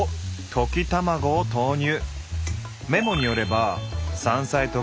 溶き卵を投入。